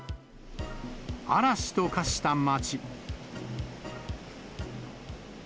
嵐と化した街。